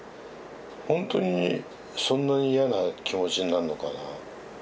ほんとにそんなに嫌な気持ちになるのかな。